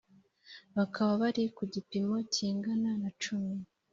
bakaba bari ku gipimo kingana na cumi